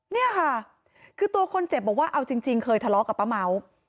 เนี่ยค่ะคือตัวคนเจ็บบอกว่าเอาจริงเคยทะเลาะกับป้าเม้า